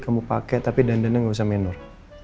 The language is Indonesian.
kamu pake tapi dandannya gak usah menor